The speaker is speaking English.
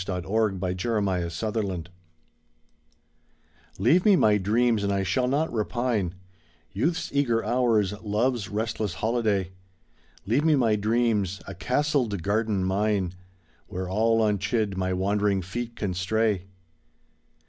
THE SAD YEARS THE DEFENDERS LEAVE me mj dreams, and I shall not repine; Youth's eager hours, love's restless holiday. Leave me my dreams, a castled garden mine — Where all unchid my wand'ring feet can stray.